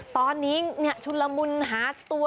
ตอนนี้ชุนละมุนหาตัว